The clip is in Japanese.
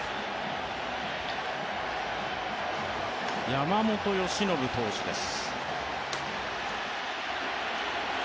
山本由伸投手です。